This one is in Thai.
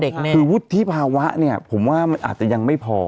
คือวุฒิภาวะเนี่ยผมว่ามันอาจจะยังไม่พอ